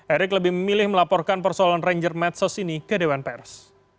erick lebih memilih melaporkan persoalan ranger medsos ini ke dewan pers